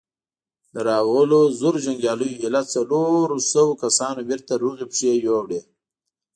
له راغلو زرو جنګياليو ايله څلورو سوو کسانو بېرته روغي پښې يووړې.